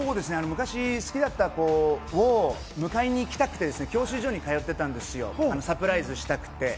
昔、好きだった子を迎えに行きたくて、教習所に通ってたんですよ、サプライズしたくて。